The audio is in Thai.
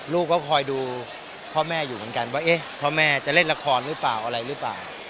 ลูกก็คอยดูพ่อแม่อยู่เหมือนกันว่าเอ๊ะพ่อแม่จะเล่นละครหรือเปล่าอะไรหรือเปล่า